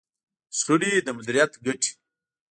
د شخړې د مديريت ګټې.